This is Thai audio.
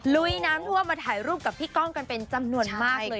ลุยน้ำท่วมมาถ่ายรูปกับพี่ก้องกันเป็นจำนวนมากเลย